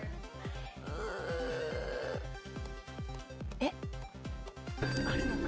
えっ？